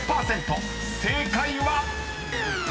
［正解は⁉］